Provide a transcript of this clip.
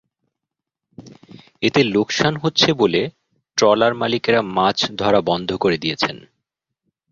এতে লোকসান হচ্ছে বলে ট্রলার মালিকেরা মাছ ধরা বন্ধ করে দিয়েছেন।